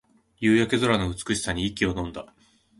夕焼け空の美しさに息をのんだ